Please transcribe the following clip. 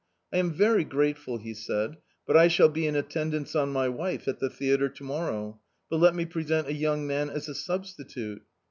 " I am very grateful," he said, " but I shall be in attendance on my wife at the theatre to morrow ; but let me present a young man as a substitute."